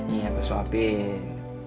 iya aku suapin